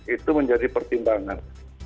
itu menjadi pertimbangan